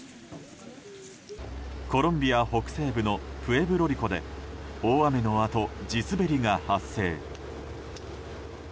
コロンビア北西部のプエブロリコで大雨のあと、地滑りが発生。